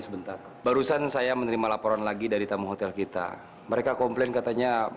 sampai jumpa di video selanjutnya